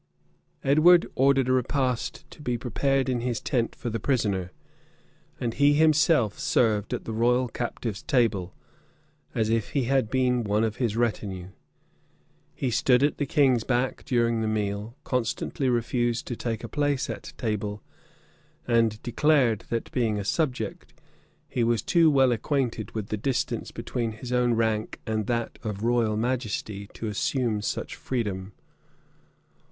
* Froissard, liv. i. chap. 164. Poul. Cemil, p. 197. Edward ordered a repast to be prepared in his tent for the prisoner; and he himself served at the royal captive's table, as if he had been one of his retinue: he stood at the king's back during the meal; constantly refused to take a place at table; and declared that, being a subject, he was too well acquainted with the distance between his own rank and that of royal majesty, to assume such freedom.